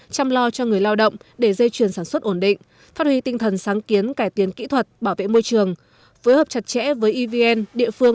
chăm lo cho người lao động để dây chuyển sản xuất ổn định phát huy tinh thần sáng kiến